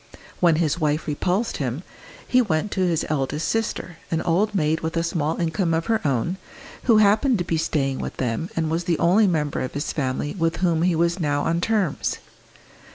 When his wife repulsed him, he went to his eldest sister, an old maid with a small income of her own, who happened to be staying with them, and was the only member of his family with whom he was now on terms.